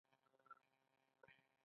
مصنوعي ځیرکتیا د بیان بڼه بدله کوي.